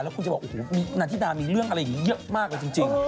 แล้วคุณจะบอกนันทิดามีเรื่องอะไรเยอะมากเลยจริง